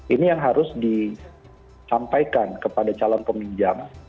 ini yang harus disampaikan kepada calon peminjam